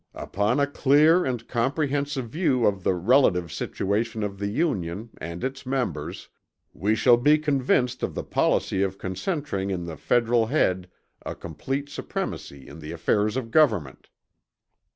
"Upon a clear and comprehensive view of the relative situation of the Union, and its members, we shall be convinced of the policy of concentring in the federal head a complete supremacy in the affairs of government."